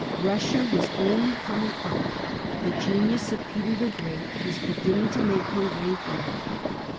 Russia was only coming up ; the genius of Peter the Great was beginning to make her way for her.